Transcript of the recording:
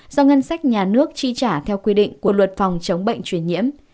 do ngân sách nhà nước chi trả theo quy định của luật phòng chống bệnh truyền nhiễm